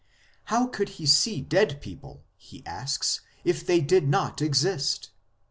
How could he see dead people, he asks, if they did not exist ?